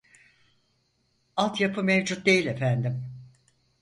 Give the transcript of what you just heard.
Alt yapı mevcut değil efendim